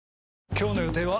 今日の予定は？